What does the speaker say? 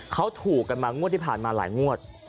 เขาถูกกันมางวดที่ผ่านมาหลายงวด